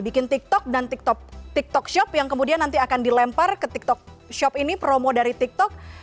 bikin tiktok dan tiktok shop yang kemudian nanti akan dilempar ke tiktok shop ini promo dari tiktok